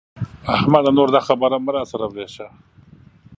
احمده! نور دا خبره مه را سره ورېشه.